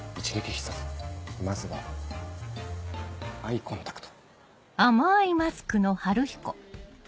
まずはアイコンタクト。